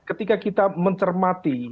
ketika kita mencermati